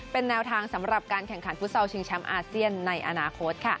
เป็นแนวทางสำหรับการแข่งขันฟุตซอลชิงแชมป์อาเซียนในอนาคต